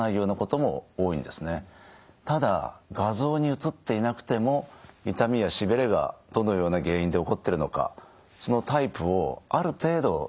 ただ画像に写っていなくても痛みやしびれがどのような原因で起こってるのかそのタイプをある程度推測することはできます。